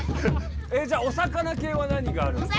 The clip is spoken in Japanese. じゃお魚けいは何があるんですか？